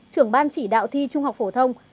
trưởng ban chỉ đạo thi trung học phổ thông